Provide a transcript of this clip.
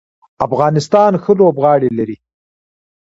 افغانستان ښه لوبغاړي لري.